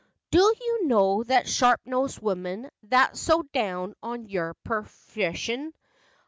' Do you know that sharp nosed woman That's so down on your perfeshin?